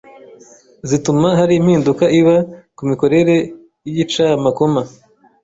zituma hari impinduka iba ku mikorere y’igicamakoma.